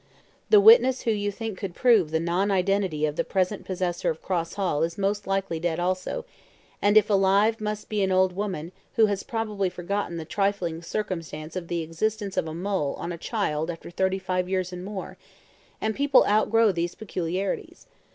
The witness who you think could prove the non identity of the present possessor of Cross Hall is most likely dead also, and if alive must be an old woman who has probably forgotten the trifling circumstance of the existence of a mole on a child after thirty five years and more and people outgrow these peculiarities.